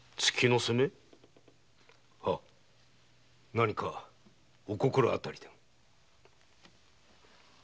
何かお心当たりでも？